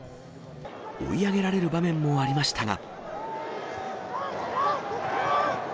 追い上げられる場面もありましたが。